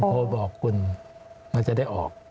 โทรบอกคุณมันจะได้ออก